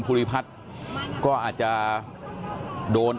พี่ขอไปร้องข้างในก่อน